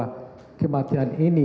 tidak bisa dipastikan atau tidak ditentukan